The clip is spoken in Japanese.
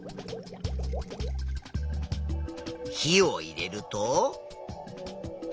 火を入れると。